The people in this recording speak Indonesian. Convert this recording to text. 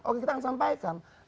oke kita sampaikan